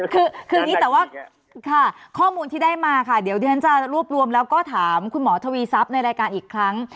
คืออย่างนี้แต่ว่าค่ะข้อมูลที่ได้มาค่ะเดี๋ยวที่ฉันจะรวบรวมแล้วก็ถามคุณหมอทวีทรัพย์ในรายการอีกครั้ง